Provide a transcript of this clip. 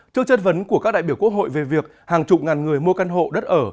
trước chất vấn của các đại biểu quốc hội về việc hàng chục ngàn người mua căn hộ đất ở